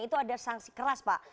itu ada sanksi keras pak